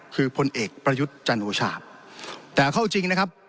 คือพลเอกประยุทธ์จันโอชาแต่เข้าจริงนะครับ